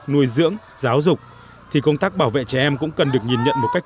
nuôi dưỡng giáo dục thì công tác bảo vệ trẻ em cũng cần được nhìn nhận một cách